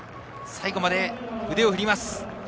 最後まで腕を振ります。